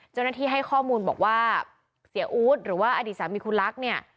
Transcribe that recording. เจ้าหน้าที่ให้ข้อมูลบอกว่าเสียอู๊ดหรือว่าอดีตสามีคุณลักษณ์เนี่ย